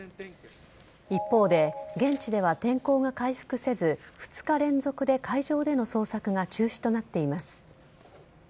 一方で現地では天候が回復せず２日連続で海上での捜索が中止となっています。